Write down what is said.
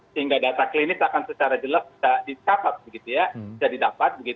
sehingga data klinis akan secara jelas bisa dicapap